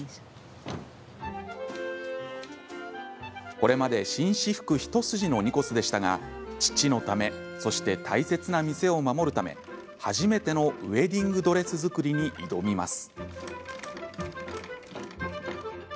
これまで紳士服一筋のニコスでしたが父のためそして大切な店を守るため初めてのウエディングドレス作りに挑みます。